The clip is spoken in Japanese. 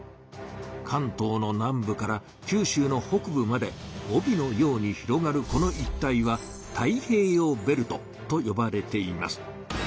かんとうの南部からきゅうしゅうの北部まで帯のように広がるこの一帯は「太平洋ベルト」とよばれています。